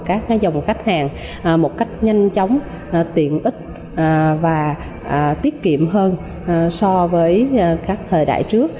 các dòng khách hàng một cách nhanh chóng tiện ích và tiết kiệm hơn so với các thời đại trước